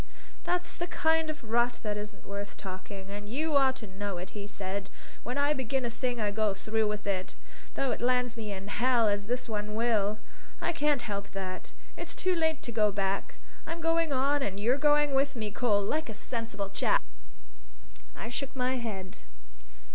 "That's the kind of rot that isn't worth talking, and you ought to know it," said he. "When I begin a thing I go through with it, though it lands me in hell, as this one will. I can't help that. It's too late to go back. I'm going on and you're going with me, Cole, like a sensible chap!" I shook my head.